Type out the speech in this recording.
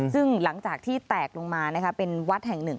ซึ่งหลังจากที่แตกลงมาเป็นวัดแห่งหนึ่ง